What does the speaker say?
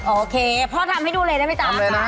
โอเคพ่อทำให้ดูเลยได้ไหมจ๊ะทำเลยนะ